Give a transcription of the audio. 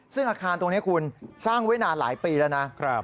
ซึ่งอาคารตรงนี้คุณสร้างไว้นานหลายปีแล้วนะ